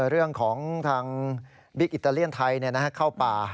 เรื่องของทางบิ๊กอิตาเลียนไทยเข้าป่า